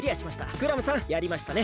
クラムさんやりましたね。